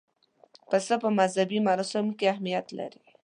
پسه په مذهبي مراسمو کې اهمیت لري.